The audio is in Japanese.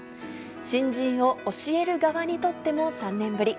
新人を教える側にとっても３年ぶり。